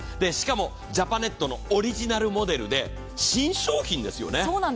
しかも、ジャパネットのオリジナルモデルで、新商品ですよね。